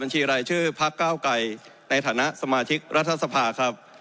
รายชื่อพักเก้าไกรในฐานะสมาชิกรัฐสภาครับ